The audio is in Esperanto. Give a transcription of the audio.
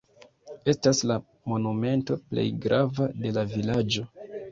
Estas la monumento plej grava de la vilaĝo.